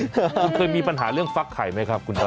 คุณเคยมีปัญหาเรื่องฟักไข่ไหมครับคุณออ